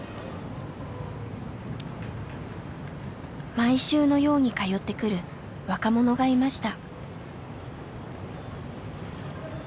毎週のように通ってくる若者がいました。